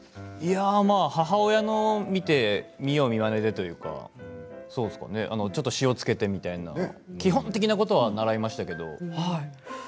いやまあ母親のを見て見よう見まねでというかそうすかねちょっと塩をつけてみたいな基本的なことは習いましたけど。